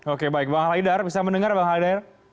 oke baik bang al haidar bisa mendengar bang haidar